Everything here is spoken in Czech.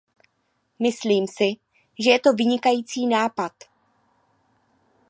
Myslím si, že je to vynikající nápad.